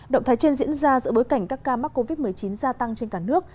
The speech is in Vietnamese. động thái trên diễn ra giữa bối cảnh các ca mắc covid một mươi chín gia tăng trên cả nước